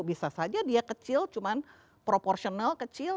bisa saja dia kecil cuma proporsional kecil